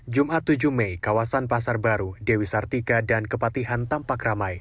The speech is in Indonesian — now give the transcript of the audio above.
jumat tujuh mei kawasan pasar baru dewi sartika dan kepatihan tampak ramai